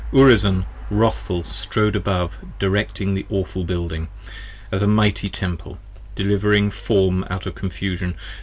Urizen wrathful strode above directing the awful Building, As a Mighty Temple: delivering Form out of confusion.